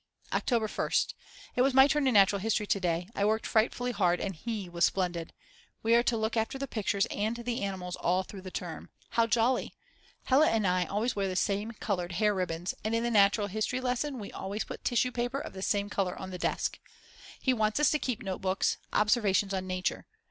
October 1st. It was my turn in Natural History to day I worked frightfully hard and He was splendid. We are to look after the pictures and the animals all through the term. How jolly. Hella and I always wear the same coloured hair ribbons and in the Nat. Hist. lesson we always put tissue paper of the same colour on the desk. He wants us to keep notebooks, observations on Nature.